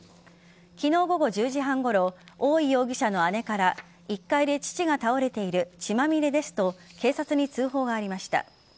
昨日午後１０時半ごろ大井容疑者の姉から１階で父が倒れている血まみれですと警察に通報がありました。